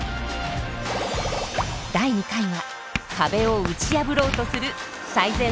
第２回は壁を打ち破ろうとする最前線です。